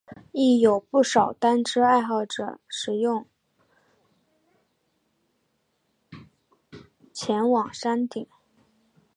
亦有不少单车爱好者使用前往山顶。